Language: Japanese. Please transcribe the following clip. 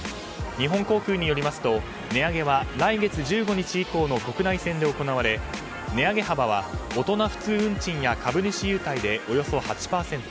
日本航空によりますと値上げは来月１５日以降の国内線で行われ値上げ幅は大人普通運賃や株主優待でおよそ８％